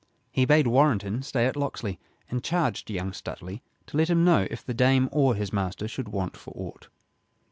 He bade Warrenton stay at Locksley, and charged young Stuteley to let him know if the dame or his master should want for aught.